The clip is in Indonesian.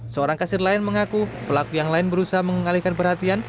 seorang kasir lain mengaku pelaku yang lain berusaha mengalihkan perhatian